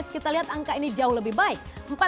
kita lihat angka ini jauh lebih baik